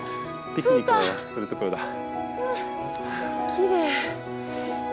きれい。